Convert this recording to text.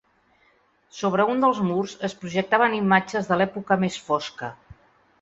Sobre un dels murs es projectaven imatges de l’època més fosca.